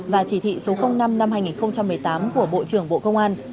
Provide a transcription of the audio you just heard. và chỉ thị số năm năm hai nghìn một mươi tám của bộ trưởng bộ công an